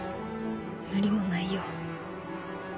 無理もないよ。